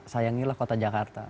sayangnya lah kota jakarta